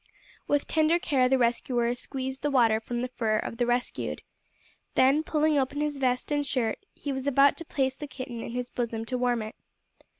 With tender care the rescuer squeezed the water from the fur of the rescued. Then, pulling open his vest and shirt, he was about to place the kitten in his bosom to warm it.